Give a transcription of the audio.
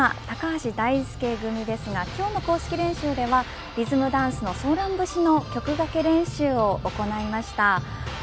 高橋大輔組ですが今日の公式練習ではリズムダンスのソーラン節の曲かけ練習を行いました。